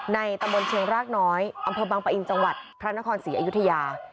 ตำบลเชียงรากน้อยอำเภอบังปะอินจังหวัดพระนครศรีอยุธยา